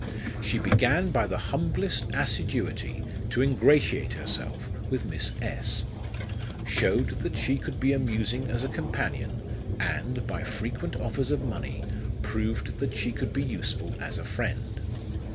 She began by the humblest assiduity to ingratiate herself with Miss S ; shewed that she could be amusing as a companion, and, by frequent offers of money, proved that she could be useful as a friend.